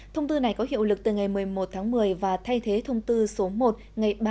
thông tư này có hiệu lực từ ngày một mươi một tháng một mươi và thay thế thông tư số một ngày ba mươi